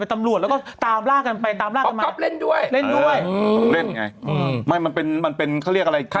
มีตัวสนุกนำเริ่มมาก